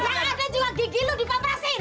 yang ada juga gigi lu dipaperasin